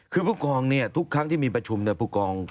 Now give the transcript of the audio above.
คือผู้กองเนี่ยทุกครั้งที่มีประชุมผู้กอง